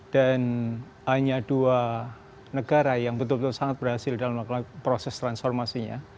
dan hanya dua negara yang betul betul sangat berhasil dalam proses transformasinya